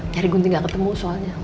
cari gunting gak ketemu soalnya